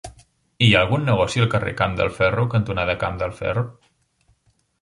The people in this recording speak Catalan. Hi ha algun negoci al carrer Camp del Ferro cantonada Camp del Ferro?